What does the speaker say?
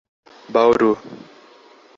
Bauru